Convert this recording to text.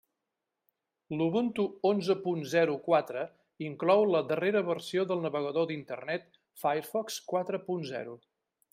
L'Ubuntu onze punt zero quatre inclou la darrera versió del navegador d'Internet Firefox quatre punt zero